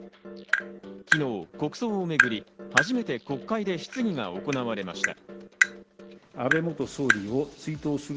昨日、国葬をめぐり、初めて国会で質疑が行われました。